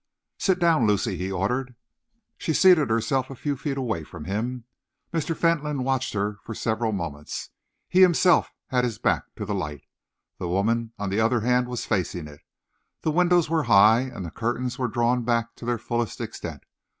"Sit down, Lucy," he ordered. She seated herself a few feet away from him. Mr. Fentolin watched her for several moments. He himself had his back to the light. The woman, on the other hand, was facing it. The windows were high, and the curtains were drawn back to their fullest extent.